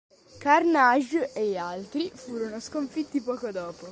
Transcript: Carnage e gli altri furono sconfitti poco dopo.